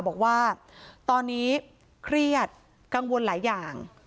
บอกว่าตอนนี้เครียดกังวลหลายอย่าง